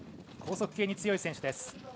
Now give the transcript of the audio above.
高速系に強い選手です。